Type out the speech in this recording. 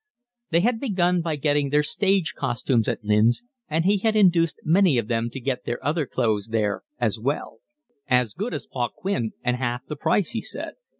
They had begun by getting their stage costumes at Lynn's, and he had induced many of them to get their other clothes there as well. "As good as Paquin and half the price," he said.